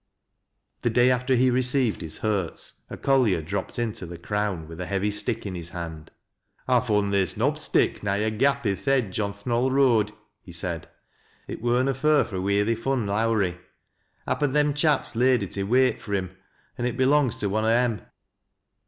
The day after he received his hurts a collier dropped into " The Crown " with a heavy stick in his hand. " I fun this knob stick nigh a gap i' th' hedge on th' Knoll Road," he said. " It wur na fur fro' wheer they fun Lowrie. Happen them chaps laid i' wait fur him an' it belongs to one o' 'em."